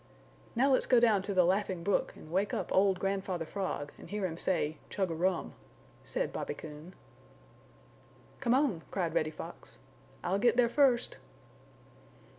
"Now let's go down to the Laughing Brook and wake up old Grandfather Frog and hear him say 'Chug a rum,'" said Bobby Coon. "Come on!" cried Reddy Fox, "I'll get there first!"